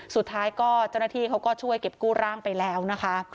สุดท้ายก็เจ้าหน้าที่เขาก็ช่วยเก็บกู้ร่างไปแล้วนะคะ